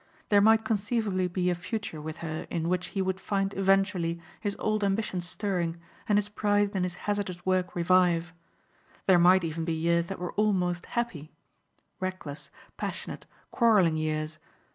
There might conceivably be a future with her in which he would find eventually his old ambitions stirring and his pride in his hazardous work revive. There might even be years that were almost happy; reckless, passionate, quarrelling years.